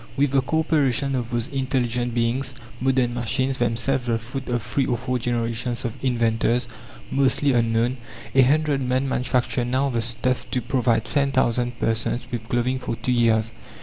With the co operation of those intelligent beings, modern machines themselves the fruit of three or four generations of inventors, mostly unknown a hundred men manufacture now the stuff to provide ten thousand persons with clothing for two years.